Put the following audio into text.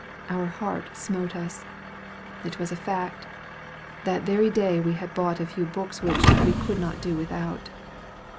Our heart smote us. It was a fact. That very day we had bought a few books which "we could not do without."